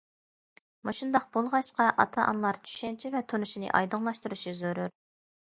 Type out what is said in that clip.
مۇشۇنداق بولغاچقا، ئاتا- ئانىلار چۈشەنچە ۋە تونۇشىنى ئايدىڭلاشتۇرۇشى زۆرۈر.